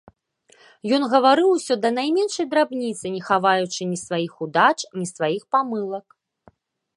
Ён гаварыў усё да найменшай драбніцы, не хаваючы ні сваіх удач, ні сваіх памылак.